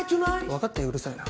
わかったようるさいな。